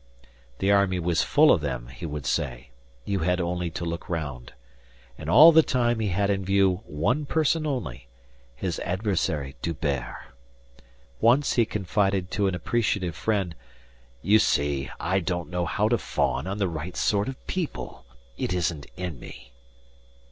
The army was full of them, he would say, you had only to look round. And all the time he had in view one person only, his adversary D'Hubert. Once he confided to an appreciative friend: "You see I don't know how to fawn on the right sort of people. It isn't in me."